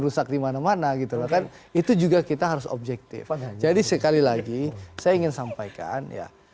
rusak dimana mana gitu loh kan itu juga kita harus objektif jadi sekali lagi saya ingin sampaikan ya